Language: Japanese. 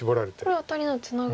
これアタリなのでツナぐと。